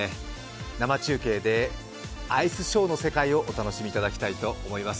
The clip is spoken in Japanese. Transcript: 生中継でアイスショーの世界をお楽しみいただきたいと思います。